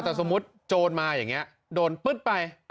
แต่สมมุติโจรมาอย่างนี้โดนปึ๊ดไป